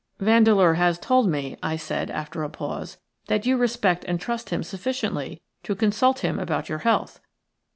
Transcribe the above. "Vandeleur has told me," I said, after a pause, "that you respect and trust him sufficiently to consult him about your health."